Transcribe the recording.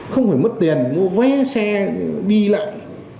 không phải mất tiền mua vé xe đi lại